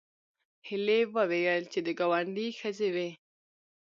هیلې وویل چې د ګاونډي ښځې وې